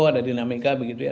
ada dinamika begitu ya